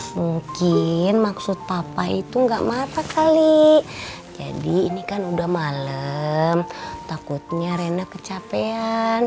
mimpi sd kapal itu enggak mana kali jadi ini kan udah malem takutnya rina kecapean